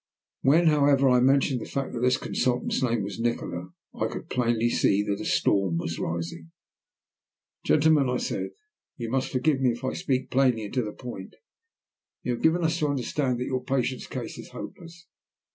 When, however, I mentioned the fact that that consultant's name was Nikola, I could plainly see that a storm was rising. "Gentlemen," I said, "you must forgive me if I speak plainly and to the point. You have given us to understand that your patient's case is hopeless.